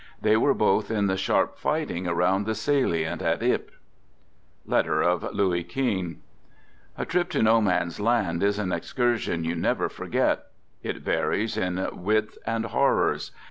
They were both in the sharp fighting around the salient at Ypres. A trip to No Man's Land is an excursion you never forget. It varies in width and horrors.